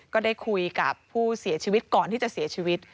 ก็ได้คุยกับผู้เสียชีวิตก่อนที่จะเสียชีวิต